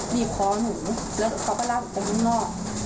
บีบคอหนูแล้วเขาก็ลากออกไปข้างนอก